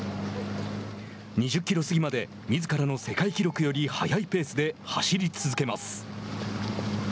２０キロ過ぎまでみずからの世界記録より速いペースで走り続けます。